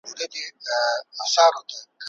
ناروغان د ژوندي پاته کیدو حق لري.